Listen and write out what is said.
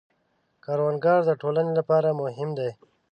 کروندګر د ټولنې لپاره مهم دی